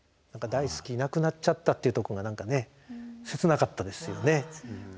「だいすきなくなっちゃった」っていうとこが何かね切なかったですよね。